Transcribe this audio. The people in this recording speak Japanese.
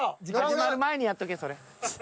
始まる前にやっとけそれ。